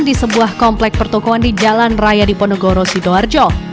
di sebuah komplek pertukuan di jalan raya diponegoro sidoarjo